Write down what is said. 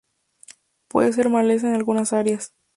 Puede ser maleza en algunas áreas.